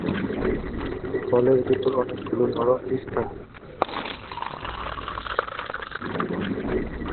ফলের ভিতরে অনেকগুলো নরম বীজ থাকে।